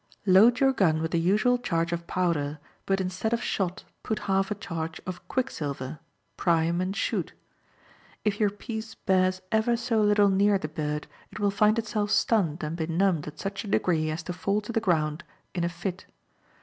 —Load your gun with the usual charge of powder, but instead of shot put half a charge of quicksilver; prime and shoot. If your piece bears ever so little near the bird, it will find itself stunned and benumbed to such a degree as to fall to the ground in a fit.